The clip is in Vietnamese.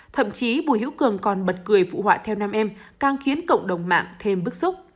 thậm chí bùi hữu cường còn bật cười phụ họa theo nam em càng khiến cộng đồng mạng thêm bức xúc